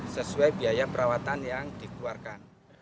sesuai biaya perawatan yang dikeluarkan